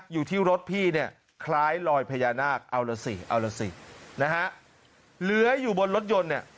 อยู่ที่รถพี่เนี่ย